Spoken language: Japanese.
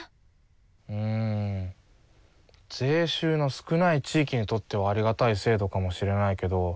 うん税収の少ない地域にとってはありがたい制度かもしれないけど。